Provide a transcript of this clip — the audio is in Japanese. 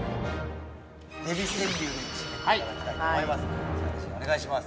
◆デヴィ川柳で締めていただきたいと思います。